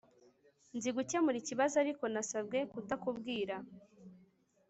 Nzi gukemura ikibazo ariko nasabwe kutakubwira